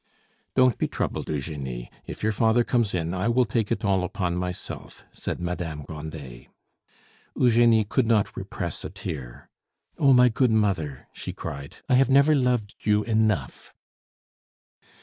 "Don't be troubled, Eugenie; if your father comes in, I will take it all upon myself," said Madame Grandet. Eugenie could not repress a tear. "Oh, my good mother!" she cried, "I have never loved you enough."